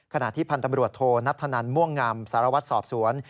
ขณะที่พันธ์ตำรวจโทนัทธนันม่วงงามสารวัตรสอบสวน